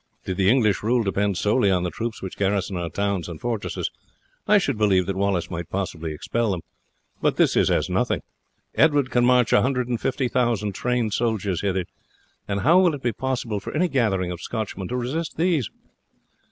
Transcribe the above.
Did the English rule depend solely on the troops which garrison our towns and fortresses, I should believe that Wallace might possibly expel them; but this is as nothing. Edward can march a hundred and fifty thousand trained soldiers hither, and how will it be possible for any gathering of Scotchmen to resist these?